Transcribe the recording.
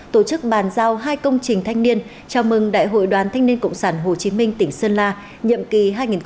tổ chức bàn giao hai công trình thanh niên chào mừng đại hội đoàn thanh niên cộng sản hồ chí minh tỉnh sơn la nhiệm kỳ hai nghìn hai mươi hai nghìn hai mươi năm